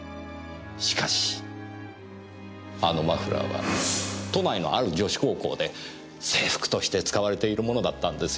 しかしあのマフラーは都内のある女子高校で制服として使われているものだったんですよ。